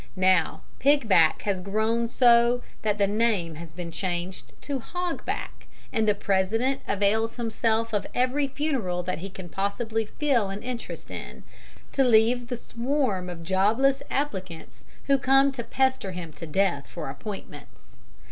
Now Pigback has grown so that the name has been changed to Hogback, and the President avails himself of every funeral that he can possibly feel an interest in, to leave the swarm of jobless applicants who come to pester him to death for appointments.